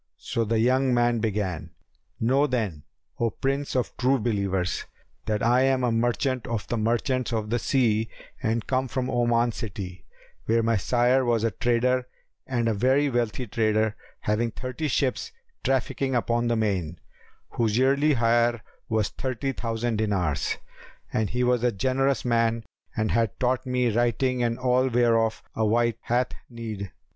So the young man began,—"Know then, O Prince of True Believers, that I am a merchant of the merchants of the sea and come from Oman city, where my sire was a trader and a very wealthy trader having thirty ships trafficking upon the main, whose yearly hire was thirty thousand dinars; and he was a generous man and had taught me writing and all whereof a wight hath need.